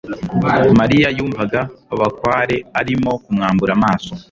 mariya yumvaga bakware arimo kumwambura amaso